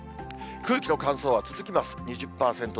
空気の乾燥は続きます。